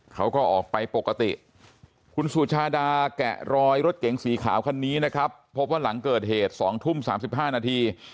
เขาก็ออกไปปกติคุณสุชาดาแกะรอยรถเก๋งสีขาวคันนี้นะครับพบว่าหลังเกิดเหตุ๒ทุ่ม๓๕นาที